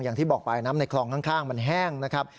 อย่างที่บอกไปน้ำในคลองข้างมันแห้งนะครับ